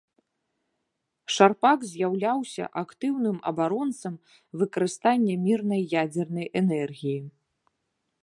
Шарпак з'яўляўся актыўным абаронцам выкарыстання мірнай ядзернай энергіі.